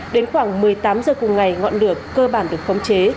đến khoảng một mươi tám giờ cùng ngày ngọn lửa cơ bản được phóng chế